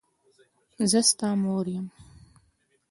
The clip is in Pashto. زه ستا مور یم.